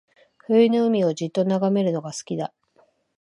冬の海をじっと眺めるのが好きだ